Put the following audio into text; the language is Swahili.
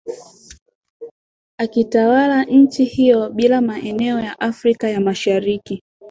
akitawala nchi hiyo bila maeneo ya Afrika ya Mashariki